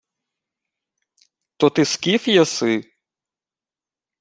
— То ти скіф єси?